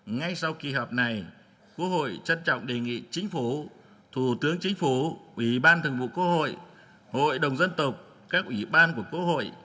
ngay sau kỳ họp này quốc hội trân trọng đề nghị chính phủ thủ tướng chính phủ ủy ban thường vụ quốc hội hội đồng dân tộc các ủy ban của quốc hội